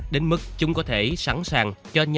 đến mức chúng có thể sẵn sàng